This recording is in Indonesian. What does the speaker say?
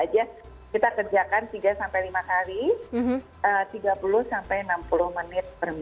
jadi bisa saja kita kerjakan tiga lima kali tiga puluh enam puluh menit